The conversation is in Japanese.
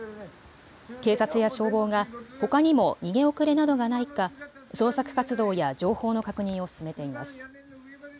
警察や消防がほかにも逃げ遅れなどがないか捜索活動や情報の確認を進めています。